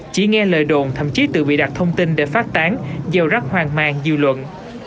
chỉ nghe lời đồn thậm chí tự bị đặt thông tin để phát tán dâu rất hoang mang dư luận